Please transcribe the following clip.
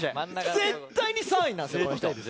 絶対に３位なんですこの人。